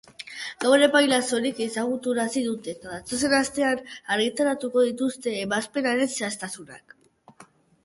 Gaur epaia soilik ezagutarazi dute eta datozen asteetan argitaratuko dituzte ebazpenaren xehetasunak.